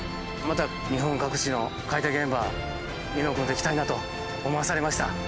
また日本各地の解体現場伊野尾くんと行きたいなと思わされました。